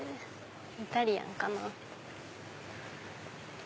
イタリアンかな。